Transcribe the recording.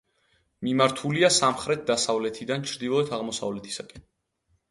მიმართულია სამხრეთ-დასავლეთიდან ჩრდილო-აღმოსავლეთისაკენ.